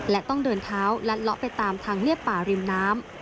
และต้องเดินเท้าลัดเลาะไปตามทางเรียบป่าริมน้ำ